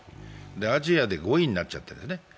アジアで５位になっちゃったんですね。